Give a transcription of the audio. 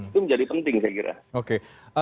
itu menjadi penting saya kira